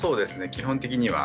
基本的には。